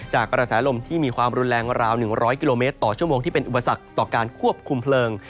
กระแสลมที่มีความรุนแรงราว๑๐๐กิโลเมตรต่อชั่วโมงที่เป็นอุปสรรคต่อการควบคุมเพลิง